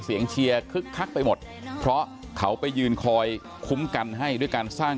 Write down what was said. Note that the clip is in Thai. เชียร์คึกคักไปหมดเพราะเขาไปยืนคอยคุ้มกันให้ด้วยการสร้าง